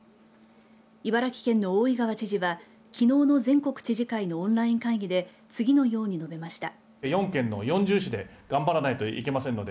茨城県の大井川知事はきのうの全国知事会のオンライン会議で次のように述べました。